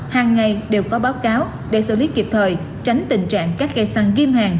hàng ngày đều có báo cáo để xử lý kịp thời tránh tình trạng các cây xăng ghim hàng